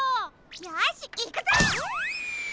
よしいくぞ！